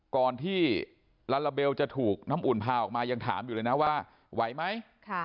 ก่อนที่ลัลลาเบลจะถูกน้ำอุ่นพาออกมายังถามว่าไหวไหม